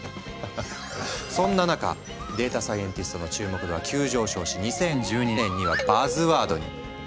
そんな中データサイエンティストの注目度は急上昇し２０１２年にはバズワードに。